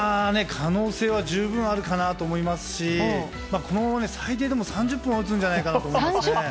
可能性は十分あるかなと思いますしこのまま最低でも３０本は打つんじゃないかと思います。